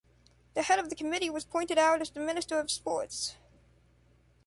The head of the committee was pointed out as the Minister of Sports.